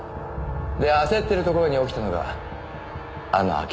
で焦ってるところに起きたのがあの空き巣事件だ。